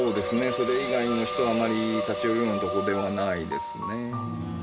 それ以外の人はあまり立ち寄るようなとこではないですね。